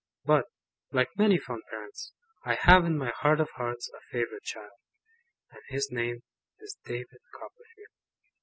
But, like many fond parents, I have in my heart of hearts a favourite child. And his name is DAVID COPPERFIELD.